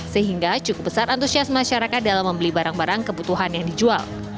sehingga cukup besar antusias masyarakat dalam membeli barang barang kebutuhan yang dijual